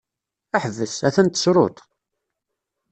Ḥbes! a-t-an tessruḍ-t!